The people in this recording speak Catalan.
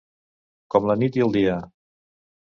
Com la nit i el dia.